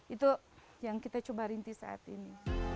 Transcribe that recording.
itu yang kita coba rintis saat ini